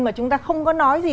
mà chúng ta không có nói gì